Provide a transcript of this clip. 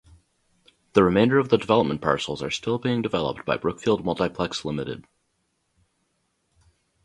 The remainder of the development parcels are still being developed by Brookfield Multiplex Limited.